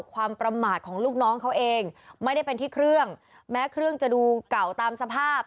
ความประมาทของลูกน้องเขาเองไม่ได้เป็นที่เครื่องแม้เครื่องจะดูเก่าตามสภาพ